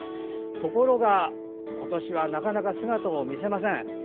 ところが今年はなかなか姿を見せません。